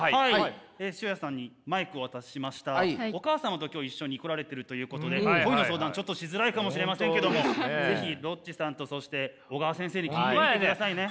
お母様と今日一緒に来られてるということで恋の相談ちょっとしづらいかもしれませんけども是非ロッチさんとそして小川先生に聞いてみてくださいね。